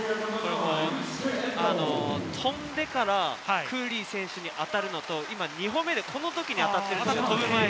跳んでからクーリー選手に当たるのと、今２本目でこの時に当たってますよね。